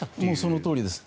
そのとおりです。